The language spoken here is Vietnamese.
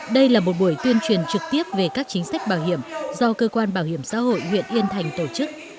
đây là một buổi tuyên truyền trực tiếp về các chính sách bảo hiểm do cơ quan bảo hiểm xã hội huyện yên thành tổ chức